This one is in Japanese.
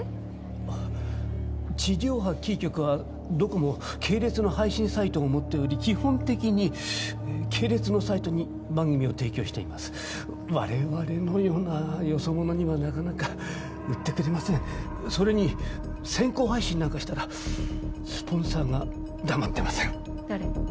あっ地上波キー局はどこも系列の配信サイトを持っており基本的に系列のサイトに番組を提供しています我々のようなよそ者にはなかなか売ってくれませんそれに先行配信なんかしたらスポンサーが黙ってません誰？